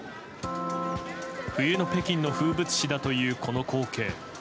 冬の北京の風物詩だというこの光景。